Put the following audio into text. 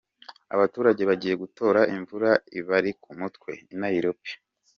Abaturage bagiye gutora imvura ibari ku mutwe, i Nairobi.